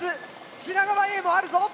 品川Ａもあるぞ。